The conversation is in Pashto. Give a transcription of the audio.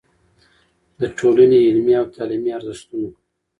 د ټولنې علمي او تعليمي ارزښتونو